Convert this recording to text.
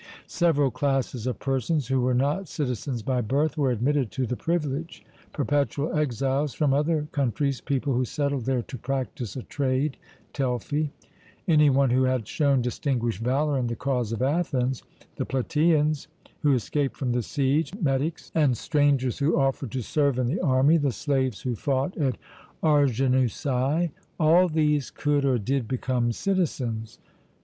Several classes of persons, who were not citizens by birth, were admitted to the privilege. Perpetual exiles from other countries, people who settled there to practise a trade (Telfy), any one who had shown distinguished valour in the cause of Athens, the Plataeans who escaped from the siege, metics and strangers who offered to serve in the army, the slaves who fought at Arginusae, all these could or did become citizens.